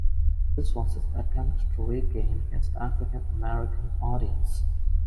It was his attempt to regain his African-American audience.